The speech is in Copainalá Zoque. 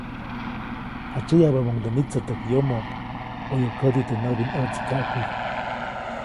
Jaʼtsyäʼyabäʼmuŋde nitsätäʼk yomo ʼoyuʼk kädi teʼ näʼbinʼäʼtsikaʼkuʼy.